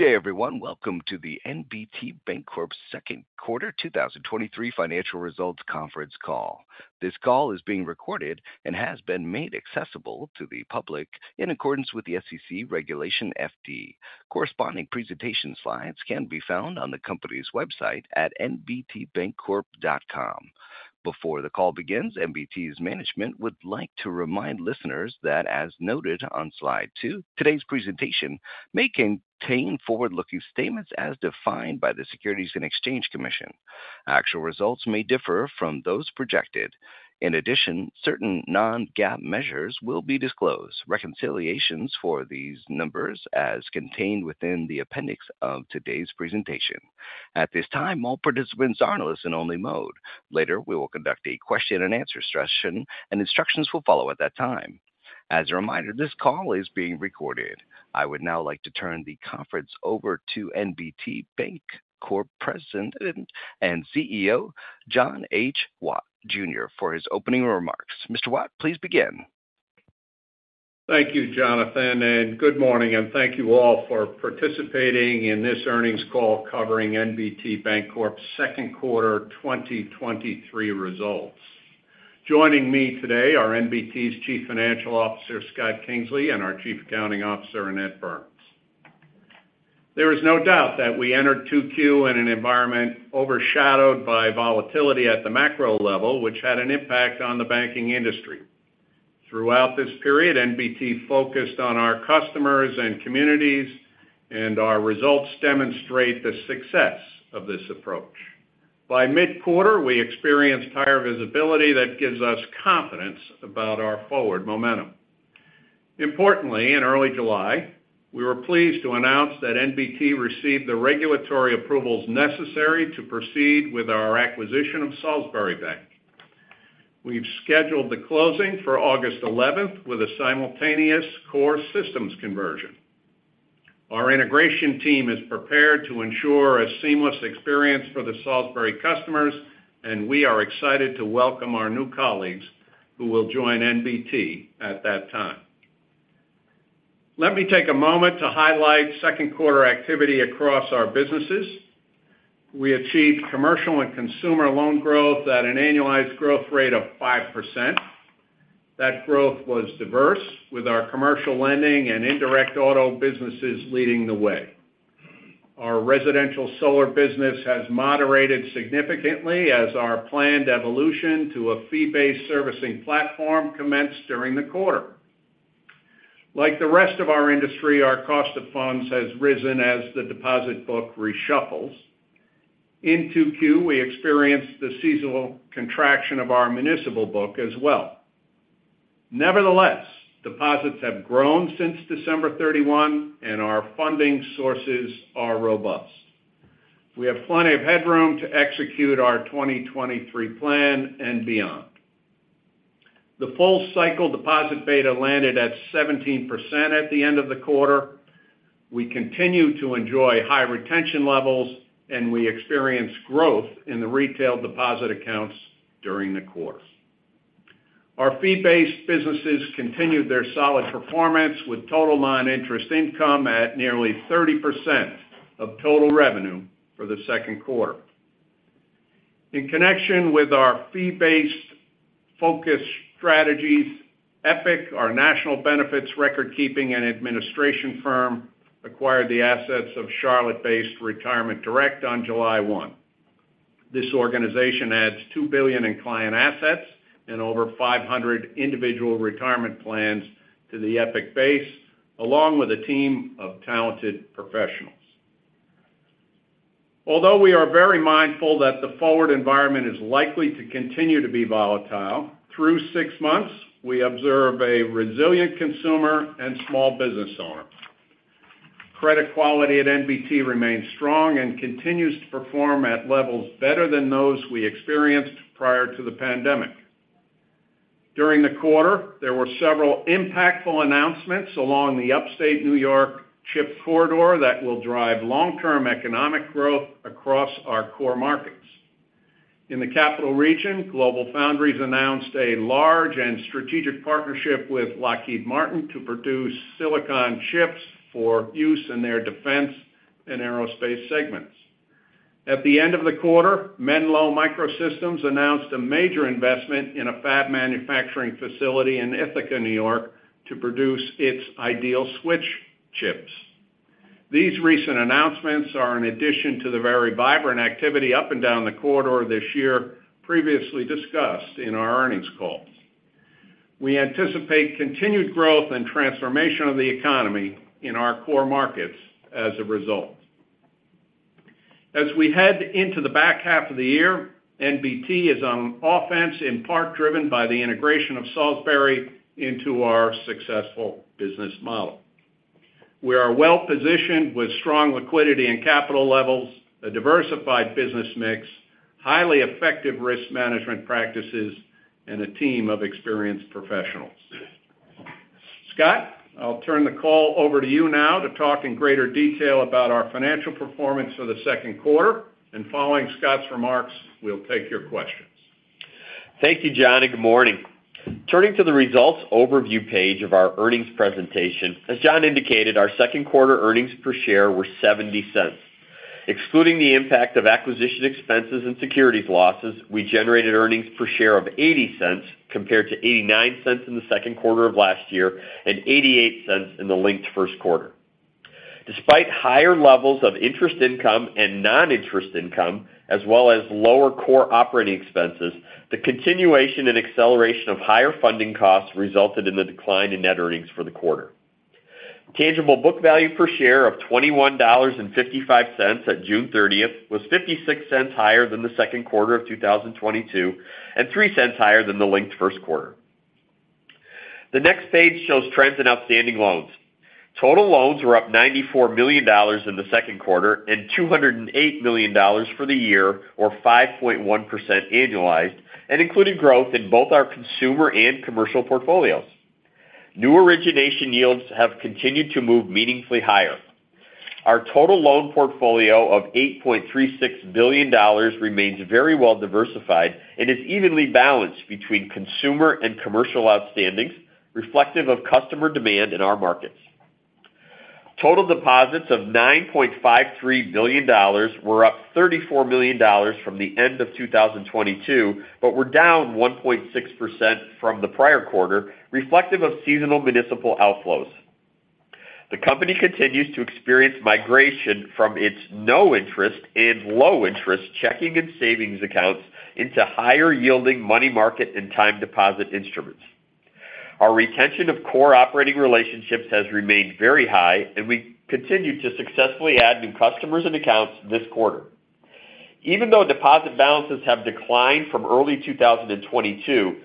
Good day, everyone. Welcome to the NBT Bancorp second quarter 2023 financial results conference call. This call is being recorded and has been made accessible to the public in accordance with the SEC Regulation FD. Corresponding presentation slides can be found on the company's website at nbtbancorp.com. Before the call begins, NBT's management would like to remind listeners that, as noted on Slide 2, today's presentation may contain forward-looking statements as defined by the Securities and Exchange Commission. Actual results may differ from those projected. In addition, certain non-GAAP measures will be disclosed. Reconciliations for these numbers as contained within the appendix of today's presentation. At this time, all participants are in listen-only mode. Later, we will conduct a question-and-answer session, and instructions will follow at that time. As a reminder, this call is being recorded. I would now like to turn the conference over to NBT Bancorp President and CEO, John H. Watt Jr., for his opening remarks. Mr. Watt, please begin. Thank you, Jonathan, good morning, and thank you all for participating in this earnings call covering NBT Bancorp's second quarter 2023 results. Joining me today are NBT's Chief Financial Officer, Scott Kingsley, and our Chief Accounting Officer, Annette Burns. There is no doubt that we entered two Q in an environment overshadowed by volatility at the macro level, which had an impact on the banking industry. Throughout this period, NBT focused on our customers and communities, our results demonstrate the success of this approach. By mid-quarter, we experienced higher visibility that gives us confidence about our forward momentum. Importantly, in early July, we were pleased to announce that NBT received the regulatory approvals necessary to proceed with our acquisition of Salisbury Bank. We've scheduled the closing for August 11th, with a simultaneous core systems conversion. Our integration team is prepared to ensure a seamless experience for the Salisbury customers. We are excited to welcome our new colleagues, who will join NBT at that time. Let me take a moment to highlight second quarter activity across our businesses. We achieved commercial and consumer loan growth at an annualized growth rate of 5%. That growth was diverse, with our commercial lending and indirect auto businesses leading the way. Our residential solar business has moderated significantly as our planned evolution to a fee-based servicing platform commenced during the quarter. Like the rest of our industry, our cost of funds has risen as the deposit book reshuffles. In 2Q, we experienced the seasonal contraction of our municipal book as well. Nevertheless, deposits have grown since December 31, and our funding sources are robust. We have plenty of headroom to execute our 2023 plan and beyond. The full cycle deposit beta landed at 17% at the end of the quarter. We continue to enjoy high retention levels, and we experienced growth in the retail deposit accounts during the quarter. Our fee-based businesses continued their solid performance, with total non-interest income at nearly 30% of total revenue for the second quarter. In connection with our fee-based focus strategies, Epic, our national benefits record-keeping and administration firm, acquired the assets of Charlotte-based Retirement Direct on July 1. This organization adds $2 billion in client assets and over 500 individual retirement plans to the Epic base, along with a team of talented professionals. Although we are very mindful that the forward environment is likely to continue to be volatile, through six months, we observe a resilient consumer and small business owner. Credit quality at NBT remains strong and continues to perform at levels better than those we experienced prior to the pandemic. During the quarter, there were several impactful announcements along the upstate New York chip corridor that will drive long-term economic growth across our core markets. In the Capital Region, GlobalFoundries announced a large and strategic partnership with Lockheed Martin to produce silicon chips for use in their defense and aerospace segments. At the end of the quarter, Menlo Microsystems announced a major investment in a fab manufacturing facility in Ithaca, New York, to produce its Ideal Switch chips. These recent announcements are in addition to the very vibrant activity up and down the corridor this year, previously discussed in our earnings calls. We anticipate continued growth and transformation of the economy in our core markets as a result. As we head into the back half of the year, NBT is on offense, in part driven by the integration of Salisbury into our successful business model. We are well positioned with strong liquidity and capital levels, a diversified business mix, highly effective risk management practices, and a team of experienced professionals. Scott, I'll turn the call over to you now to talk in greater detail about our financial performance for the second quarter, and following Scott's remarks, we'll take your questions. Thank you, John, and good morning. Turning to the results overview page of our earnings presentation, as John indicated, our second quarter earnings per share were $0.70. Excluding the impact of acquisition expenses and securities losses, we generated earnings per share of $0.80, compared to $0.89 in the second quarter of last year and $0.88 in the linked first quarter. Despite higher levels of interest income and non-interest income, as well as lower core operating expenses, the continuation and acceleration of higher funding costs resulted in the decline in net earnings for the quarter. Tangible book value per share of $21.55 at June 30th, was $0.56 higher than the second quarter of 2022, and $0.03 higher than the linked first quarter. The next page shows trends in outstanding loans. Total loans were up $94 million in the second quarter, $208 million for the year, or 5.1% annualized, and included growth in both our consumer and commercial portfolios. New origination yields have continued to move meaningfully higher. Our total loan portfolio of $8.36 billion remains very well diversified and is evenly balanced between consumer and commercial outstandings, reflective of customer demand in our markets. Total deposits of $9.53 billion were up $34 million from the end of 2022, down 1.6% from the prior quarter, reflective of seasonal municipal outflows. The company continues to experience migration from its no interest and low interest checking and savings accounts into higher yielding money market and time deposit instruments. Our retention of core operating relationships has remained very high, and we continued to successfully add new customers and accounts this quarter. Even though deposit balances have declined from early 2022,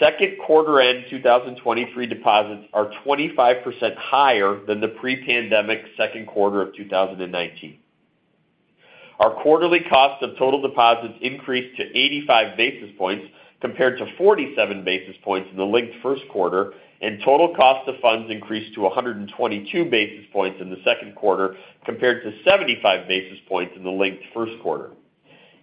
second quarter end 2023 deposits are 25% higher than the pre-pandemic second quarter of 2019. Our quarterly cost of total deposits increased to 85 basis points, compared to 47 basis points in the linked first quarter, and total cost of funds increased to 122 basis points in the second quarter, compared to 75 basis points in the linked first quarter.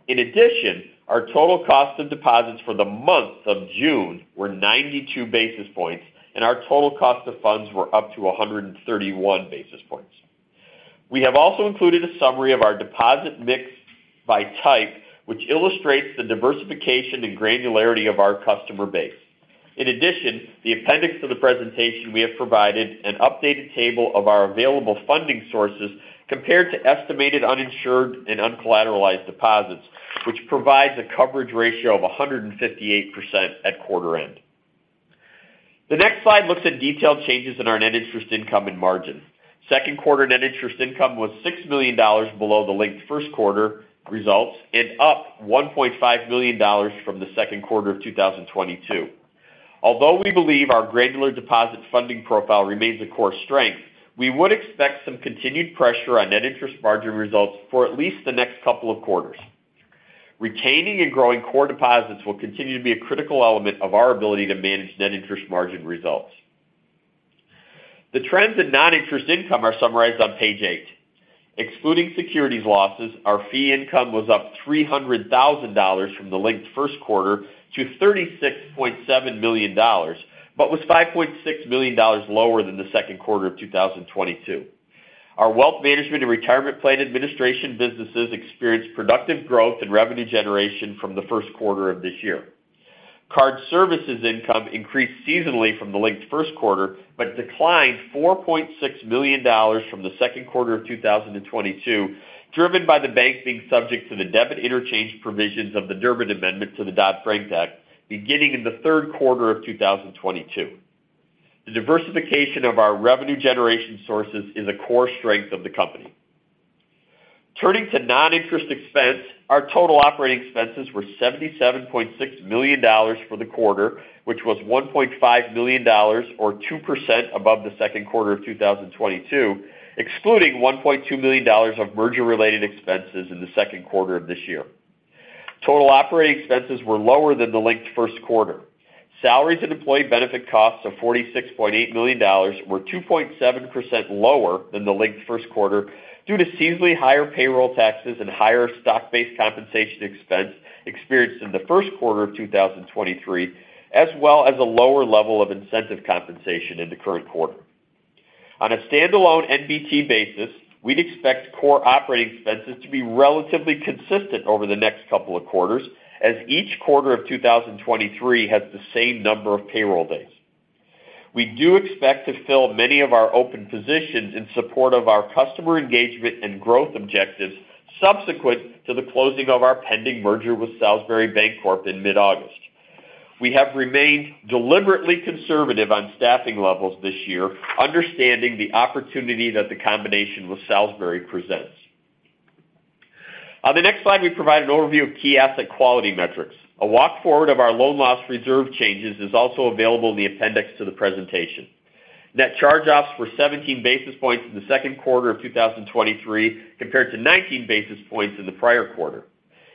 In addition, our total cost of deposits for the month of June were 92 basis points, and our total cost of funds were up to 131 basis points. We have also included a summary of our deposit mix by type, which illustrates the diversification and granularity of our customer base. The appendix to the presentation, we have provided an updated table of our available funding sources compared to estimated uninsured and uncollateralized deposits, which provides a coverage ratio of 158% at quarter end. The next slide looks at detailed changes in our net interest income and margin. Second quarter net interest income was $6 million below the linked first quarter results, and up $1.5 million from the second quarter of 2022. Although we believe our granular deposit funding profile remains a core strength, we would expect some continued pressure on net interest margin results for at least the next couple of quarters. Retaining and growing core deposits will continue to be a critical element of our ability to manage net interest margin results. The trends in non-interest income are summarized on page 8. Excluding securities losses, our fee income was up $300,000 from the linked first quarter to $36.7 million, but was $5.6 million lower than the second quarter of 2022. Our wealth management and retirement plan administration businesses experienced productive growth and revenue generation from the first quarter of this year. Card services income increased seasonally from the linked first quarter, but declined $4.6 million from the second quarter of 2022, driven by the bank being subject to the debit interchange provisions of the Durbin Amendment to the Dodd-Frank Act, beginning in the third quarter of 2022. The diversification of our revenue generation sources is a core strength of the company. Turning to non-interest expense, our total operating expenses were $77.6 million for the quarter, which was $1.5 million, or 2% above the second quarter of 2022, excluding $1.2 million of merger-related expenses in the second quarter of this year. Total operating expenses were lower than the linked first quarter. Salaries and employee benefit costs of $46.8 million were 2.7% lower than the linked first quarter, due to seasonally higher payroll taxes and higher stock-based compensation expense experienced in the first quarter of 2023, as well as a lower level of incentive compensation in the current quarter. On a standalone NBT basis, we'd expect core operating expenses to be relatively consistent over the next couple of quarters, as each quarter of 2023 has the same number of payroll days. We do expect to fill many of our open positions in support of our customer engagement and growth objectives, subsequent to the closing of our pending merger with Salisbury Bancorp in mid-August. We have remained deliberately conservative on staffing levels this year, understanding the opportunity that the combination with Salisbury presents. On the next slide, we provide an overview of key asset quality metrics. A walk-forward of our loan loss reserve changes is also available in the appendix to the presentation. Net charge-offs were 17 basis points in the second quarter of 2023, compared to 19 basis points in the prior quarter.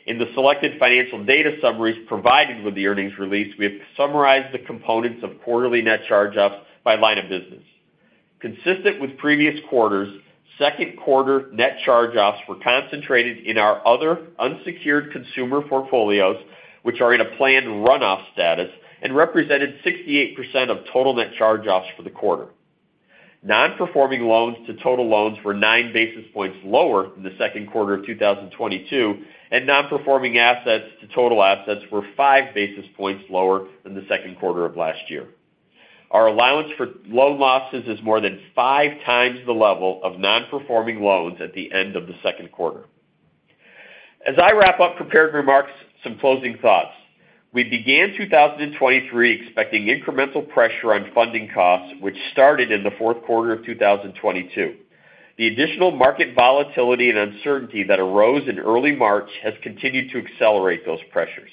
In the selected financial data summaries provided with the earnings release, we have summarized the components of quarterly net charge-offs by line of business. Consistent with previous quarters, second quarter net charge-offs were concentrated in our other unsecured consumer portfolios, which are in a planned run-off status and represented 68% of total net charge-offs for the quarter. Non-performing loans to total loans were 9 basis points lower than the second quarter of 2022. Non-performing assets to total assets were 5 basis points lower than the second quarter of last year. Our allowance for loan losses is more than five times the level of non-performing loans at the end of the second quarter. As I wrap up prepared remarks, some closing thoughts. We began 2023 expecting incremental pressure on funding costs, which started in the fourth quarter of 2022. The additional market volatility and uncertainty that arose in early March has continued to accelerate those pressures.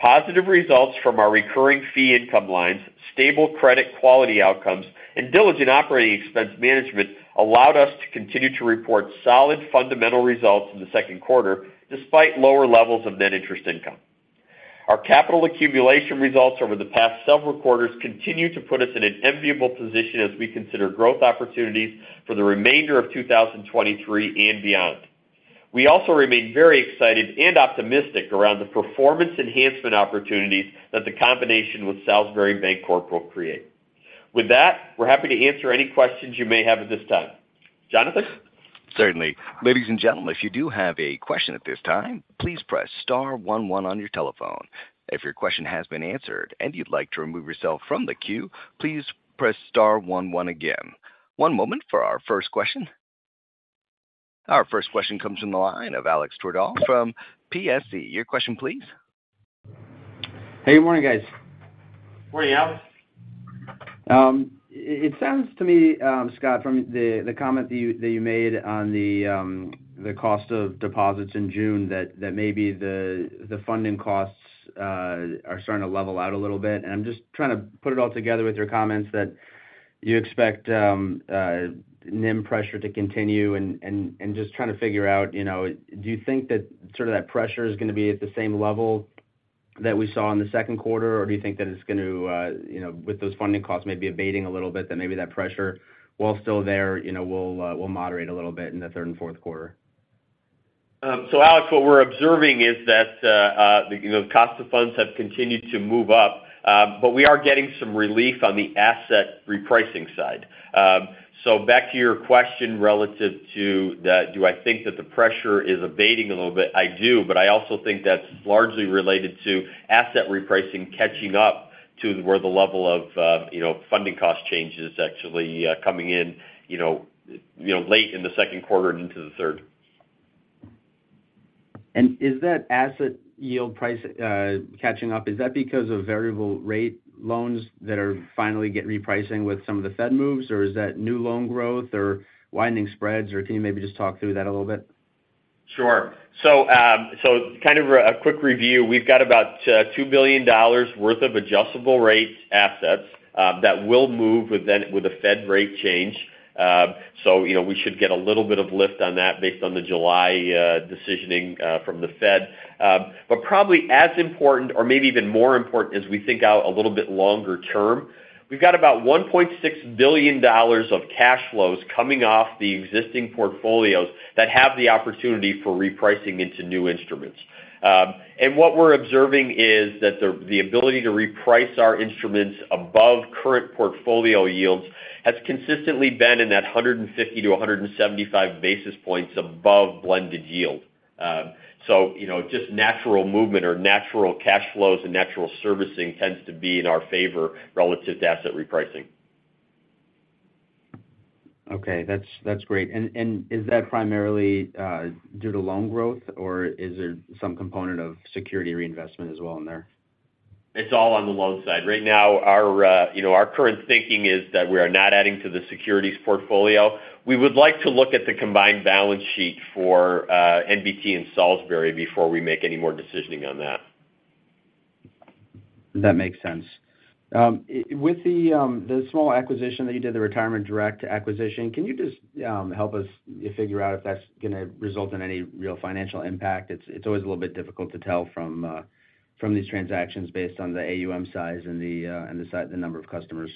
Positive results from our recurring fee income lines, stable credit quality outcomes, and diligent operating expense management allowed us to continue to report solid fundamental results in the second quarter, despite lower levels of net interest income. Our capital accumulation results over the past several quarters continue to put us in an enviable position as we consider growth opportunities for the remainder of 2023 and beyond. We also remain very excited and optimistic around the performance enhancement opportunities that the combination with Salisbury Bancorp will create. With that, we're happy to answer any questions you may have at this time. Jonathan? Certainly. Ladies and gentlemen, if you do have a question at this time, please press star one one on your telephone. If your question has been answered and you'd like to remove yourself from the queue, please press star one one again. One moment for our first question. Our first question comes from the line of Alex Twerdahl from PSE. Your question, please. Hey, good morning, guys. Morning, Alex. It sounds to me, Scott, from the, the comment that you, that you made on the, the cost of deposits in June, that, that maybe the, the funding costs, are starting to level out a little bit. I'm just trying to put it all together with your comments that you expect, NIM pressure to continue and, and, and just trying to figure out, you know, do you think that sort of that pressure is gonna be at the same level that we saw in the second quarter? Do you think that it's going to, you know, with those funding costs maybe abating a little bit, that maybe that pressure, while still there, you know, will, will moderate a little bit in the third and fourth quarter? Alex, what we're observing is that, the, you know, cost of funds have continued to move up, but we are getting some relief on the asset repricing side. Back to your question relative to the, do I think that the pressure is abating a little bit? I do, but I also think that's largely related to asset repricing catching up to where the level of, you know, funding cost change is actually coming in, you know, late in the second quarter and into the third. Is that asset yield price catching up? Is that because of variable rate loans that are finally repricing with some of the Fed moves, or is that new loan growth or widening spreads? Can you maybe just talk through that a little bit? Sure. Kind of a quick review. We've got about $2 billion worth of adjustable rate assets that will move with a Fed rate change. You know, we should get a little bit of lift on that based on the July decisioning from the Fed. Probably as important or maybe even more important as we think out a little bit longer term, we've got about $1.6 billion of cash flows coming off the existing portfolios that have the opportunity for repricing into new instruments. What we're observing is that the ability to reprice our instruments above current portfolio yields has consistently been in that 150-175 basis points above blended yield. You know, just natural movement or natural cash flows and natural servicing tends to be in our favor relative to asset repricing. Okay. That's, that's great. And is that primarily, due to loan growth, or is there some component of security reinvestment as well in there? It's all on the loan side. Right now, our, you know, our current thinking is that we are not adding to the securities portfolio. We would like to look at the combined balance sheet for NBT and Salisbury before we make any more decisioning on that. That makes sense. With the, the small acquisition that you did, the Retirement Direct acquisition, can you just help us figure out if that's gonna result in any real financial impact? It's, it's always a little bit difficult to tell from, from these transactions based on the AUM size and the, and the number of customers.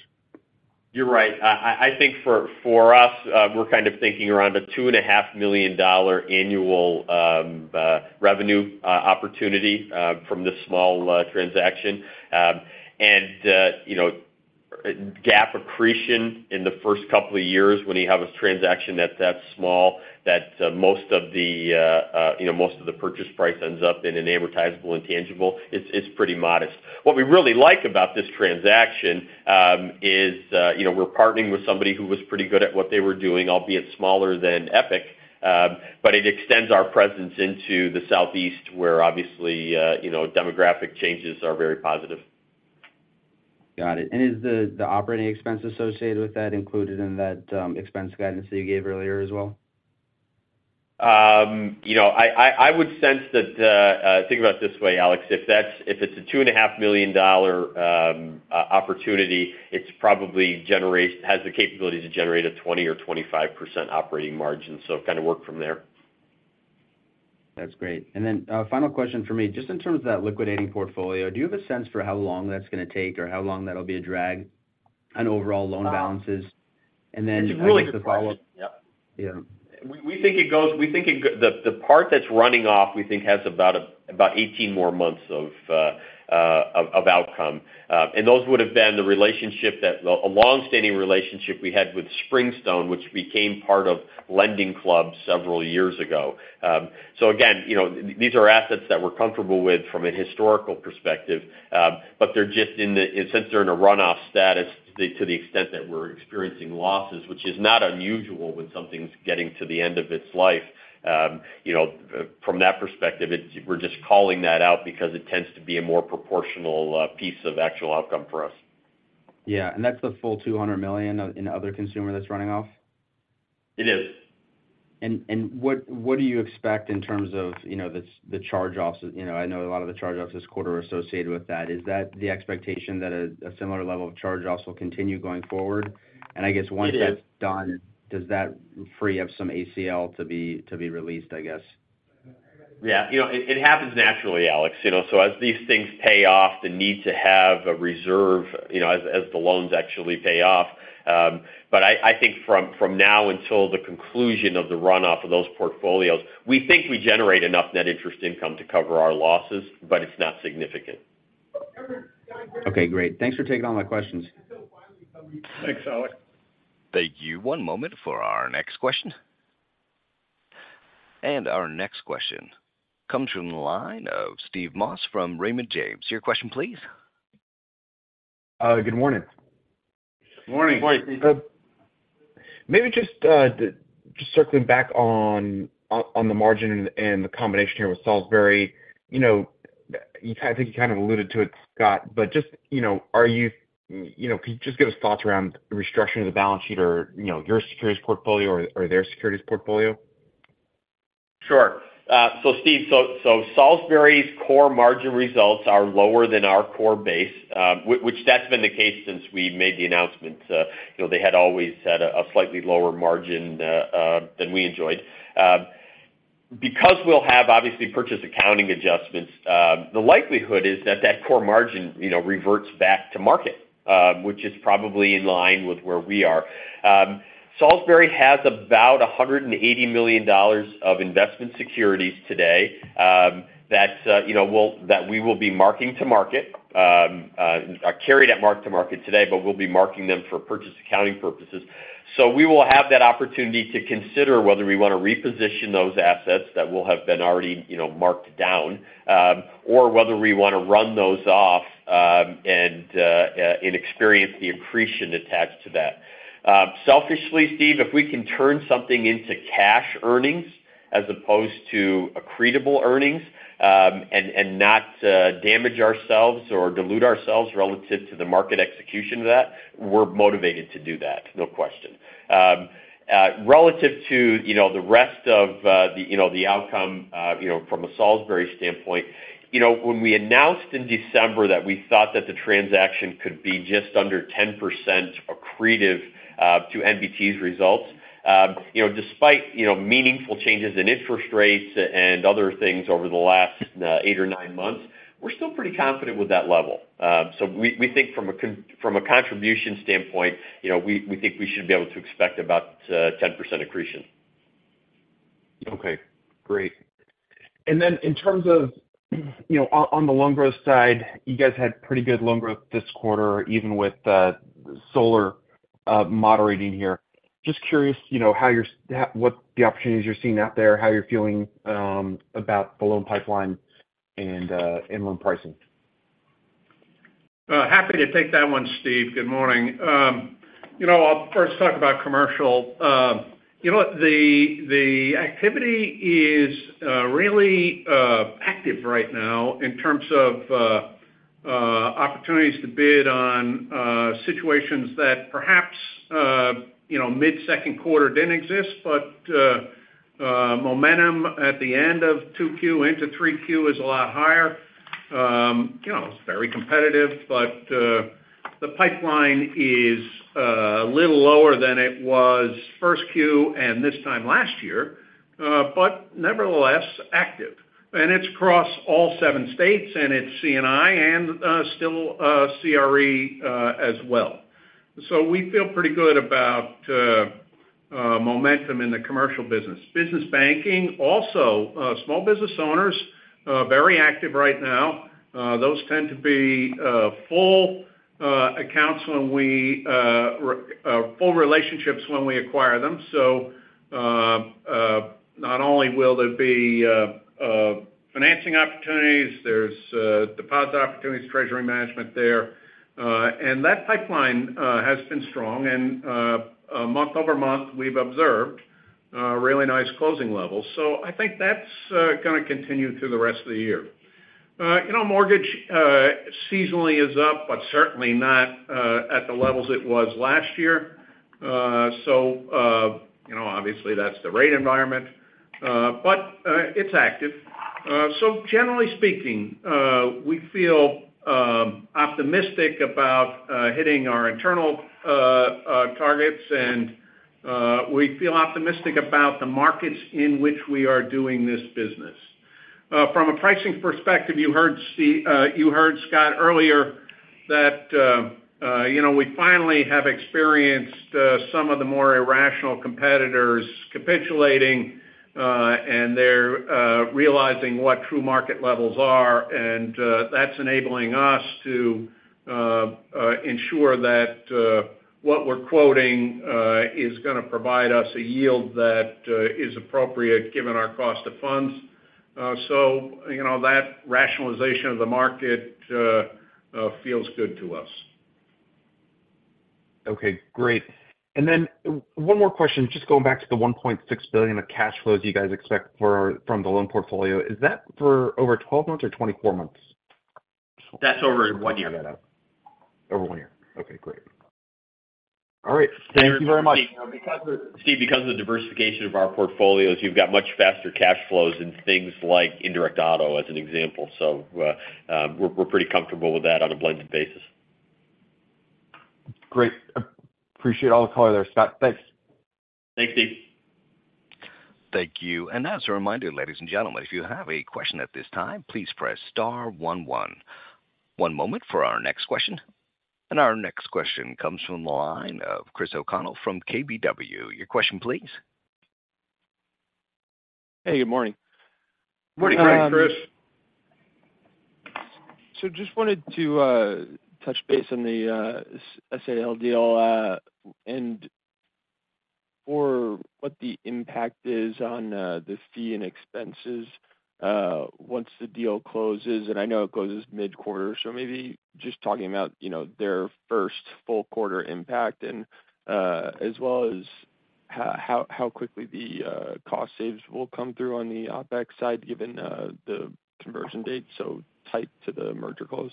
You're right. I, I, I think for, for us, we're kind of thinking around a $2.5 million annual revenue opportunity from this small transaction. You know, GAAP accretion in the first couple of years when you have a transaction that's that small, that most of the, you know, most of the purchase price ends up in an amortizable intangible, it's, it's pretty modest. What we really like about this transaction is, you know, we're partnering with somebody who was pretty good at what they were doing, albeit smaller than Epic. It extends our presence into the Southeast, where obviously, you know, demographic changes are very positive. Got it. Is the, the operating expense associated with that included in that expense guidance that you gave earlier as well? You know, I would sense that. Think about it this way, Alex. If it's a $2.5 million opportunity, it's probably has the capability to generate a 20% or 25% operating margin. Kind of work from there. That's great. Then, final question for me. Just in terms of that liquidating portfolio, do you have a sense for how long that's gonna take, or how long that'll be a drag on overall loan balances? Then, I guess, the follow-up- Yep. Yeah. We think the part that's running off, we think has about 18 more months of outcome. Those would have been a long-standing relationship we had with Springstone Financial, which became part of LendingClub several years ago. Again, you know, these are assets that we're comfortable with from a historical perspective, but they're just and since they're in a run-off status, to the extent that we're experiencing losses, which is not unusual when something's getting to the end of its life. You know, from that perspective, we're just calling that out because it tends to be a more proportional piece of actual outcome for us. Yeah. That's the full $200 million in, in other consumer that's running off? It is. What, what do you expect in terms of, you know, the charge-offs? You know, I know a lot of the charge-offs this quarter are associated with that. Is that the expectation that a similar level of charge-offs will continue going forward? It is. I guess once that's done, does that free up some ACL to be released, I guess? Yeah. You know, it, it happens naturally, Alex. You know, so as these things pay off, the need to have a reserve, you know, as, as the loans actually pay off. I, I think from, from now until the conclusion of the run-off of those portfolios, we think we generate enough net interest income to cover our losses, but it's not significant. Okay, great. Thanks for taking all my questions. Thanks, Alex. Thank you. One moment for our next question. Our next question comes from the line of Steve Moss from Raymond James. Your question, please. Good morning. Morning. Morning, Steve. Maybe just, just circling back on, on, on the margin and, and the combination here with Salisbury. You know, I think you kind of alluded to it, Scott, but just, you know, are you. You know, could you just give us thoughts around restructuring the balance sheet or, you know, your securities portfolio or, or their securities portfolio? Sure. Steve, Salisbury's core margin results are lower than our core base, which that's been the case since we made the announcement. You know, they had always had a slightly lower margin than we enjoyed. Because we'll have, obviously, purchase accounting adjustments, the likelihood is that, that core margin, you know, reverts back to market, which is probably in line with where we are. Salisbury has about $180 million of investment securities today, that, you know, that we will be marking to market, are carried at market to market today, but we'll be marking them for purchase accounting purposes. We will have that opportunity to consider whether we want to reposition those assets that will have been already, you know, marked down, or whether we want to run those off, and experience the accretion attached to that. Selfishly, Steve, if we can turn something into cash earnings as opposed to accretable earnings, and, and not damage ourselves or dilute ourselves relative to the market execution of that, we're motivated to do that, no question. Relative to, you know, the rest of, the, you know, the outcome, you know, from a Salisbury standpoint, you know, when we announced in December that we thought that the transaction could be just under 10% accretive, to NBT's results, you know, despite, you know, meaningful changes in interest rates and other things over the last, eight or nine months, we're still pretty confident with that level. We, we think from a from a contribution standpoint, you know, we, we think we should be able to expect about, 10% accretion. Okay, great. Then in terms of, you know, on, on the loan growth side, you guys had pretty good loan growth this quarter, even with solar moderating here. Just curious, you know, what the opportunities you're seeing out there, how you're feeling about the loan pipeline and loan pricing? Happy to take that one, Steve. Good morning. You know, I'll first talk about commercial. You know what? The, the activity is really active right now in terms of opportunities to bid on situations that perhaps, you know, mid-second quarter didn't exist, but momentum at the end of two Q into three Q is a lot higher. You know, it's very competitive, but the pipeline is a little lower than it was first Q and this time last year, but nevertheless, active. It's across all seven states, and it's CNI and still CRE as well. We feel pretty good about momentum in the commercial business. Business banking, also, small business owners, very active right now. Those tend to be full accounts, full relationships when we acquire them. Not only will there be financing opportunities, there's deposit opportunities, treasury management there. That pipeline has been strong and month-over-month, we've observed really nice closing levels. I think that's gonna continue through the rest of the year. You know, mortgage seasonally is up, but certainly not at the levels it was last year. You know, obviously, that's the rate environment, but it's active. Generally speaking, we feel optimistic about hitting our internal targets, and we feel optimistic about the markets in which we are doing this business. From a pricing perspective, you heard Steve Moss, you heard Scott Kingsley earlier, that, you know, we finally have experienced some of the more irrational competitors capitulating, and they're realizing what true market levels are, and that's enabling us to ensure that what we're quoting is gonna provide us a yield that is appropriate given our cost of funds. You know, that rationalization of the market feels good to us. Okay, great. And then one more question, just going back to the $1.6 billion of cash flows you guys expect from the loan portfolio. Is that for over 12 months or 24 months? That's over one year. Over one year. Okay, great. All right. Thank you very much. Steve, because of the diversification of our portfolios, you've got much faster cash flows in things like indirect auto, as an example. So, we're, we're pretty comfortable with that on a blended basis. Great. Appreciate all the color there, Scott. Thanks. Thank you. Thank you. As a reminder, ladies and gentlemen, if you have a question at this time, please press star one, one. One moment for our next question. Our next question comes from the line of Christopher O'Connell from KBW. Your question, please. Hey, good morning. Good morning, Chris. Just wanted to touch base on the Salisbury deal, and for what the impact is on the fee and expenses once the deal closes, and I know it closes mid-quarter. Maybe just talking about, you know, their first full quarter impact and as well as how, how quickly the cost saves will come through on the OpEx side, given the conversion date, so tight to the merger close.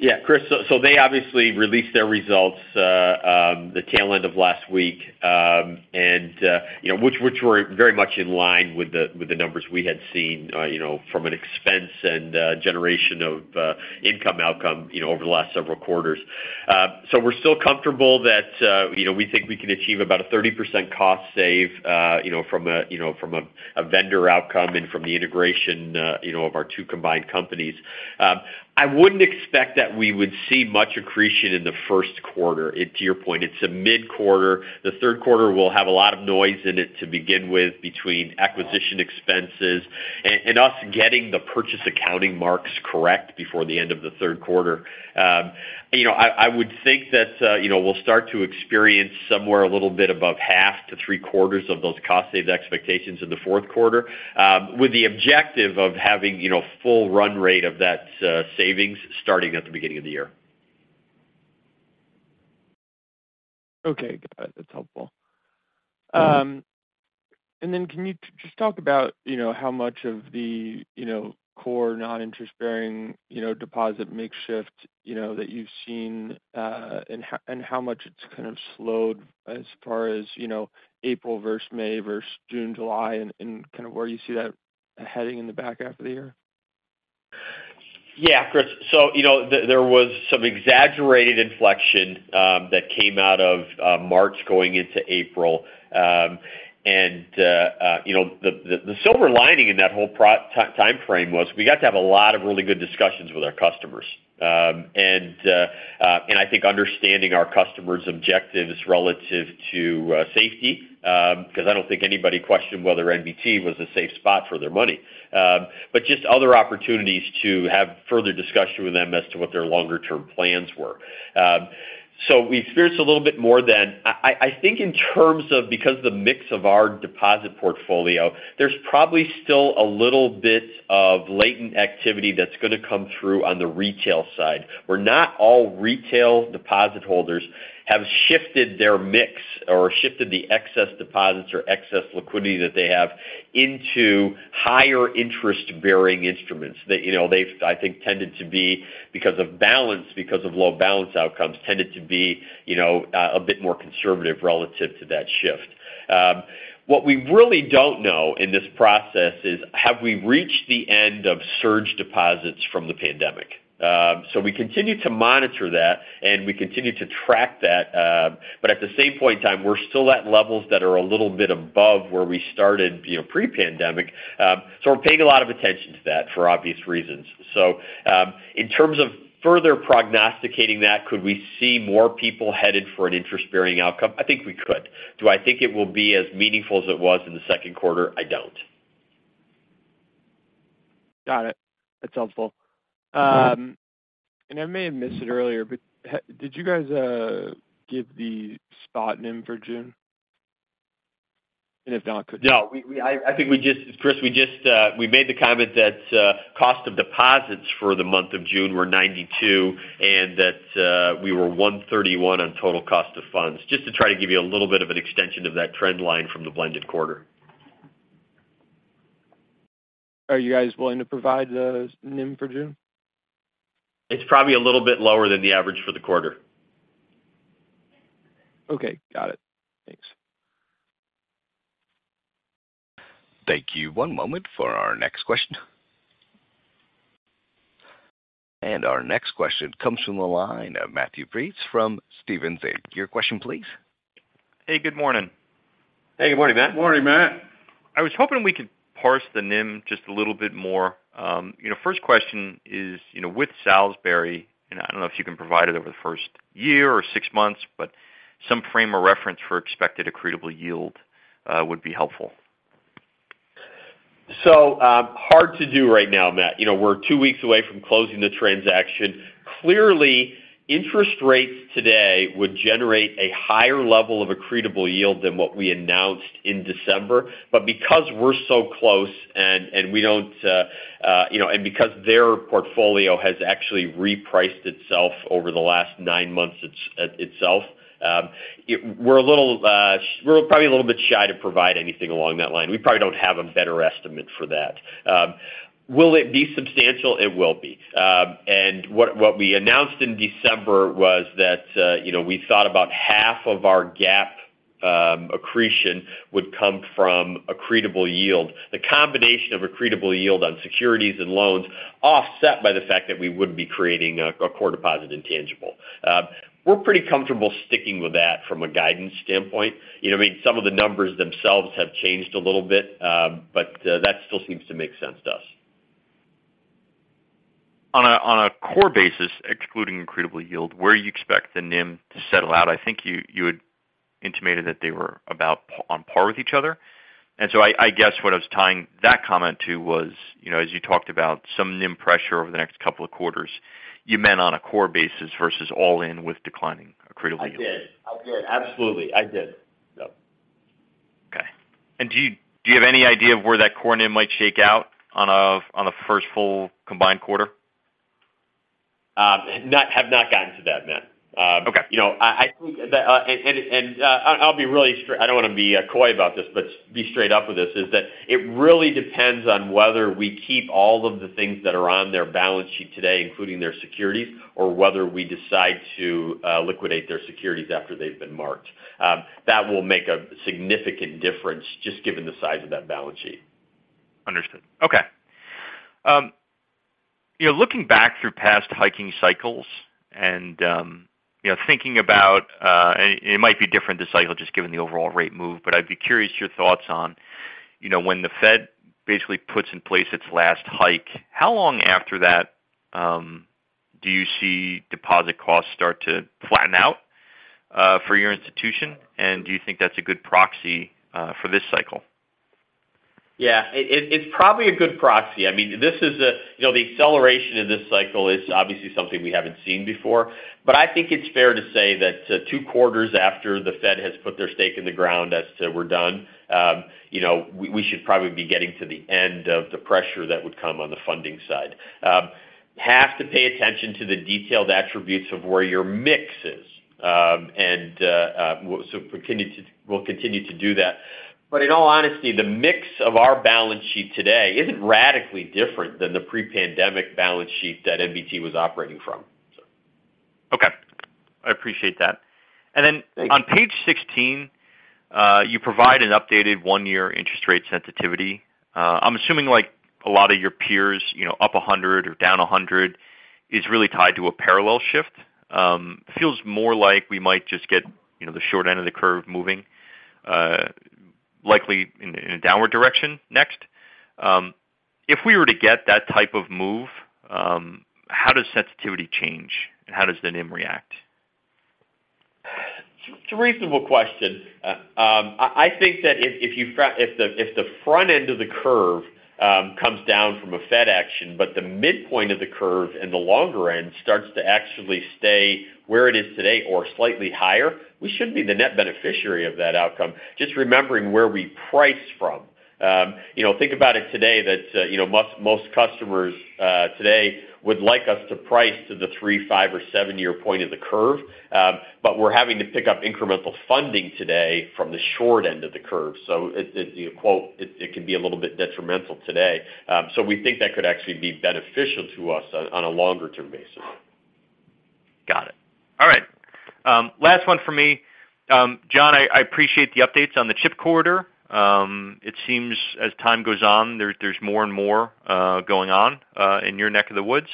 Yeah, Chris, so, so they obviously released their results, the tail end of last week. You know, which, which were very much in line with the, with the numbers we had seen, you know, from an expense and, generation of, income outcome, you know, over the last several quarters. We're still comfortable that, you know, we think we can achieve about a 30% cost save, you know, from a, you know, from a, a vendor outcome and from the integration, you know, of our two combined companies. I wouldn't expect that we would see much accretion in the first quarter. To your point, it's a mid-quarter. The third quarter will have a lot of noise in it to begin with, between acquisition expenses and us getting the purchase accounting marks correct before the end of the third quarter. You know, I, I would think that, you know, we'll start to experience somewhere a little bit above half to three-quarters of those cost save expectations in the fourth quarter, with the objective of having, you know, full run rate of that, savings starting at the beginning of the year. Okay, got it. That's helpful. Can you just talk about, you know, how much of the, you know, core non-interest bearing, you know, deposit makeshift, you know, that you've seen, and how much it's kind of slowed as far as, you know, April versus May versus June, July, and, and kind of where you see that heading in the back half of the year? Yeah, Chris. You know, there was some exaggerated inflection that came out of March going into April. You know, the silver lining in that whole time frame was, we got to have a lot of really good discussions with our customers. I think understanding our customers' objectives relative to safety, because I don't think anybody questioned whether NBT was a safe spot for their money. Just other opportunities to have further discussion with them as to what their longer-term plans were. We've experienced a little bit more then. I, I, I think in terms of because the mix of our deposit portfolio, there's probably still a little bit of latent activity that's gonna come through on the retail side, where not all retail deposit holders have shifted their mix or shifted the excess deposits or excess liquidity that they have into higher interest-bearing instruments. They, you know, they've, I think, tended to be, because of balance, because of low balance outcomes, tended to be, you know, a bit more conservative relative to that shift. What we really don't know in this process is, have we reached the end of surge deposits from the pandemic? We continue to monitor that, and we continue to track that, but at the same point in time, we're still at levels that are a little bit above where we started, you know, pre-pandemic. We're paying a lot of attention to that for obvious reasons. In terms of further prognosticating that, could we see more people headed for an interest-bearing outcome? I think we could. Do I think it will be as meaningful as it was in the second quarter? I don't. Got it. That's helpful. I may have missed it earlier, but did you guys give the spot NIM for June? If not, could-? No, I think we just, Chris, we just, we made the comment that cost of deposits for the month of June were 92, and that we were 131 on total cost of funds, just to try to give you a little bit of an extension of that trend line from the blended quarter. Are you guys willing to provide the NIM for June? It's probably a little bit lower than the average for the quarter. Okay, got it. Thanks. Thank you. One moment for our next question. Our next question comes from the line of Matthew Breese from Stephens Inc. Your question, please? Hey, good morning. Hey, good morning, Matt. Good morning, Matt. I was hoping we could parse the NIM just a little bit more. you know, first question is, you know, with Salisbury, and I don't know if you can provide it over the first year or six months, but some frame of reference for expected accretable yield, would be helpful. Hard to do right now, Matt. You know, we're two weeks away from closing the transaction. Clearly, interest rates today would generate a higher level of accretable yield than what we announced in December. Because we're so close and, and we don't, you know, and because their portfolio has actually repriced itself over the last nine months, itself, we're a little, we're probably a little bit shy to provide anything along that line. We probably don't have a better estimate for that. Will it be substantial? It will be. What, what we announced in December was that, you know, we thought about half of our GAAP accretion would come from accretable yield. The combination of accretable yield on securities and loans, offset by the fact that we would be creating a, a core deposit intangible. We're pretty comfortable sticking with that from a guidance standpoint. You know, I mean, some of the numbers themselves have changed a little bit, but that still seems to make sense to us. On a core basis, excluding accretable yield, where do you expect the NIM to settle out? I think you had intimated that they were about on par with each other. So I guess what I was tying that comment to was, you know, as you talked about some NIM pressure over the next couple of quarters, you meant on a core basis versus all in with declining accretable yield. I did. I did. Absolutely, I did. Yep. Okay. do you, do you have any idea of where that core NIM might shake out on a, on a first full combined quarter? Have not gotten to that, Matt. Okay. you know, I, I think that, I'll be really I don't want to be coy about this, but be straight up with this, is that it really depends on whether we keep all of the things that are on their balance sheet today, including their securities, or whether we decide to liquidate their securities after they've been marked. That will make a significant difference, just given the size of that balance sheet. Understood. Okay. You know, looking back through past hiking cycles and, you know, thinking about, and it might be different this cycle, just given the overall rate move, but I'd be curious your thoughts on, you know, when the Fed basically puts in place its last hike, how long after that, do you see deposit costs start to flatten out for your institution? Do you think that's a good proxy for this cycle? Yeah, it, it, it's probably a good proxy. I mean, this is a, you know, the acceleration of this cycle is obviously something we haven't seen before, but I think it's fair to say that 2 quarters after the Fed has put their stake in the ground as to we're done, you know, we, we should probably be getting to the end of the pressure that would come on the funding side. Have to pay attention to the detailed attributes of where your mix is. We'll continue to do that. In all honesty, the mix of our balance sheet today isn't radically different than the pre-pandemic balance sheet that NBT was operating from, so. Okay. I appreciate that. Thanks. Then on page 16, you provide an updated one-year interest rate sensitivity. I'm assuming like a lot of your peers, you know, up 100 or down 100 is really tied to a parallel shift. Feels more like we might just get, you know, the short end of the curve moving, likely in, in a downward direction next. If we were to get that type of move, how does sensitivity change, and how does the NIM react? It's a reasonable question. I, I think that if, if the, if the front end of the curve comes down from a Fed action, the midpoint of the curve and the longer end starts to actually stay where it is today or slightly higher, we should be the net beneficiary of that outcome. Just remembering where we price from. You know, think about it today, that, you know, most, most customers today would like us to price to the 3, 5 or 7-year point of the curve. We're having to pick up incremental funding today from the short end of the curve. It, it, you quote, it, it can be a little bit detrimental today. We think that could actually be beneficial to us on, on a longer term basis. Got it. All right. Last one for me. John, I, I appreciate the updates on the chip corridor. It seems as time goes on, there's, there's more and more going on in your neck of the woods.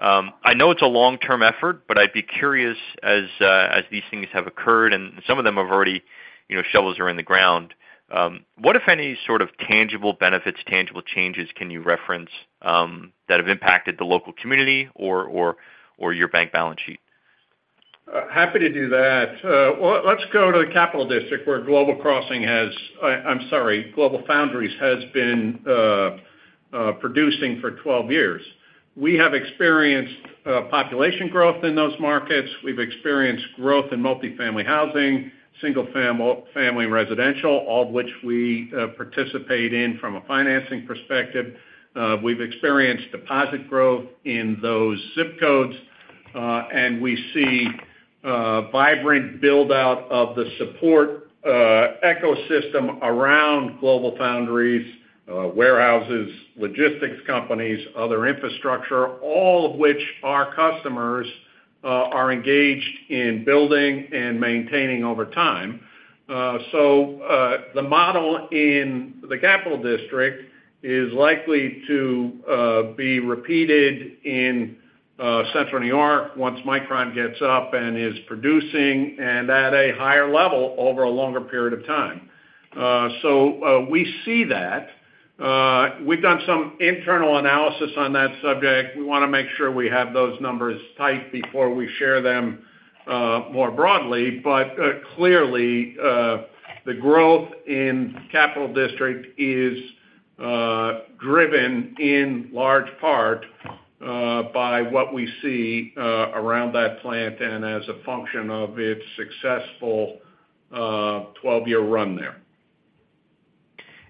I know it's a long-term effort, but I'd be curious, as, as these things have occurred, and some of them have already, you know, shovels are in the ground. What, if any, sort of tangible benefits, tangible changes can you reference, that have impacted the local community or, or, or your bank balance sheet? Happy to do that. Well, let's go to the Capital District, where GlobalFoundries has. I, I'm sorry, GlobalFoundries has been producing for 12 years. We have experienced population growth in those markets. We've experienced growth in multifamily housing, single family residential, all of which we participate in from a financing perspective. We've experienced deposit growth in those zip codes, and we see vibrant buildout of the support ecosystem around GlobalFoundries, warehouses, logistics companies, other infrastructure, all of which our customers are engaged in building and maintaining over time. The model in the Capital District is likely to be repeated in Central New York once Micron gets up and is producing and at a higher level over a longer period of time. We see that. We've done some internal analysis on that subject. We wanna make sure we have those numbers tight before we share them more broadly. Clearly, the growth in Capital District is driven in large part by what we see around that plant and as a function of its successful 12-year run there.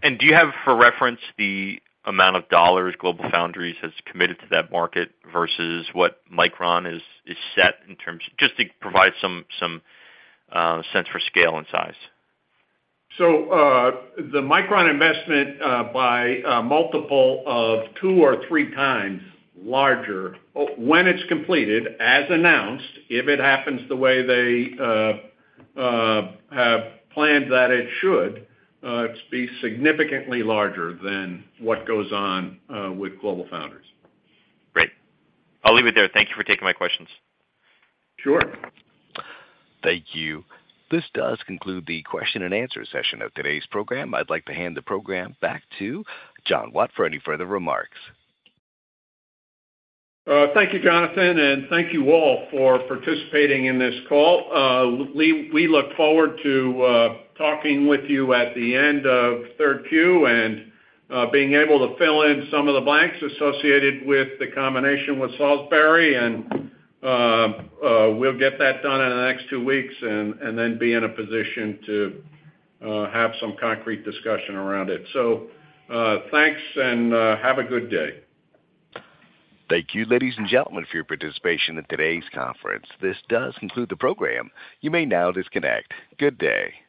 Do you have, for reference, the amount of dollars GlobalFoundries has committed to that market versus what Micron is, is set in terms, just to provide some, some, sense for scale and size? The Micron investment, by multiple of 2 or 3 times larger, when it's completed, as announced, if it happens the way they have planned that it should, it's be significantly larger than what goes on with GlobalFoundries. Great. I'll leave it there. Thank you for taking my questions. Sure. Thank you. This does conclude the question-and-answer session of today's program. I'd like to hand the program back to John Watt for any further remarks. Thank you, Jonathan, and thank you all for participating in this call. We, we look forward to talking with you at the end of third Q, and being able to fill in some of the blanks associated with the combination with Salisbury. We'll get that done in the next two weeks and then be in a position to have some concrete discussion around it. Thanks and have a good day. Thank you, ladies and gentlemen, for your participation in today's conference. This does conclude the program. You may now disconnect. Good day!